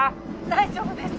大丈夫です。